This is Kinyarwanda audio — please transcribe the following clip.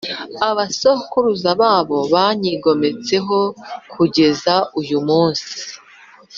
abasekuruza babo banyigometseho kugeza uyu munsi